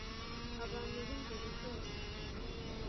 abantu b ingeri zose